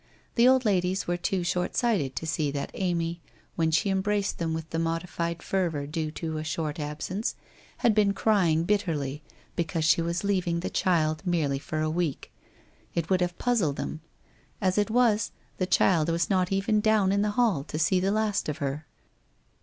The old ladies were too short sighted to see that Amy, when she embraced them with the modified fervour due to a short absence, had been crying bitterly because she was leaving the child merely for a week. It would have puzzled them. As it was, the child was not even down in the hall to see the last of her.